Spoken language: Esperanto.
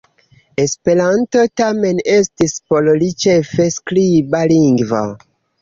Esperanto tamen estis por li ĉefe skriba lingvo.